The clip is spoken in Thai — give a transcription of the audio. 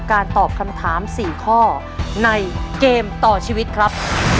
การตอบคำถาม๔ข้อในเกมต่อชีวิตครับ